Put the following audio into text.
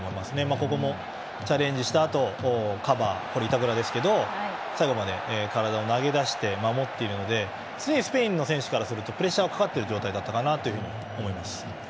ここもチャレンジしたあとカバーこれは板倉ですけど最後まで体を投げ出して守っているので常にスペインの選手からするとプレッシャーがかかっている状態